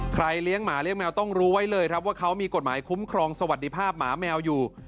เลี้ยงหมาเลี้ยแมวต้องรู้ไว้เลยครับว่าเขามีกฎหมายคุ้มครองสวัสดิภาพหมาแมวอยู่